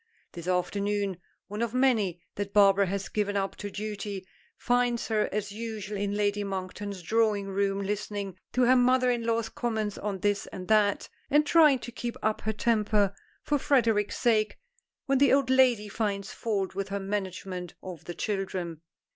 This afternoon, one of many that Barbara has given up to duty, finds her as usual in Lady Monkton's drawing room listening to her mother in law's comments on this and that, and trying to keep up her temper, for Frederic's sake, when the old lady finds fault with her management of the children.